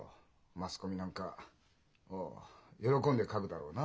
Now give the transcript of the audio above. マスコミなんかああ喜んで書くだろうな。